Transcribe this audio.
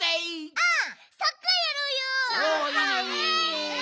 うん！